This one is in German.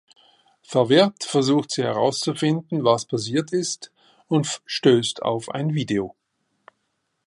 Verwirrt versucht sie herauszufinden, was passiert ist und stößt auf ein Video.